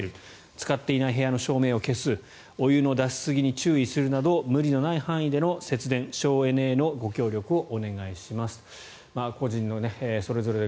使っていない部屋の照明を消すお湯の出しすぎに注意するなど無理のない範囲での節電・省エネへのご協力をお願いしますと。